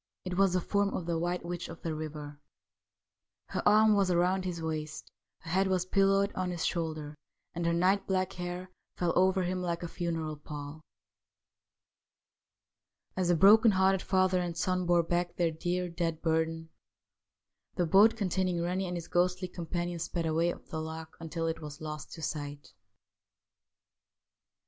It was the form of the White Witch of the River ; her arm was round his waist, her head was pillowed on his shoulder, and her night black hair fell over him like a funeral pall. As the broken hearted father and son bore back their dear, dead burden, the boat containing Rennie and his ghostly com panion sped away up the loch until it was lost to sight.